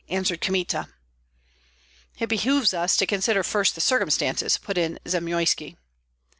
answered Kmita. "It behooves us to consider first the circumstances," put in Zamoyski.